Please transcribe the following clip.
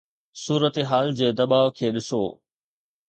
صورتحال جي دٻاء کي ڏسو.